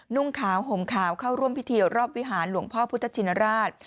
นุ่งขาวห่มขาวเข้าร่วมพิธีรอบวิหารหลวงพ่อพุทธชินราช